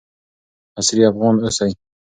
عصري افغان اوسئ.